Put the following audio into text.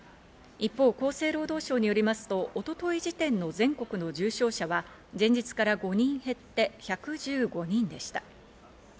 一方、厚生労働省によりますと、一昨日時点の全国の重症者は前日から５人減って１１５人でした。